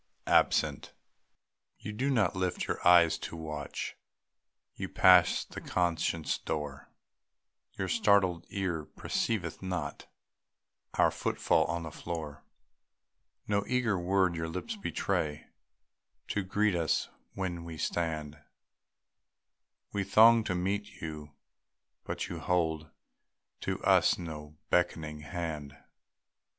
"ABSENT!" You do not lift your eyes to watch Us pass the conscious door; Your startled ear perceiveth not Our footfall on the floor; No eager word your lips betray To greet us when we stand; We throng to meet you, but you hold To us no beckoning hand.